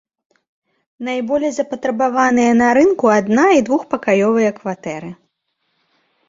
Найболей запатрабаваныя на рынку адна- і двухпакаёвыя кватэры.